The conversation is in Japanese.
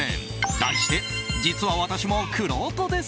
題して、実は私もくろうとです！